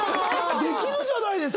できるじゃないですか！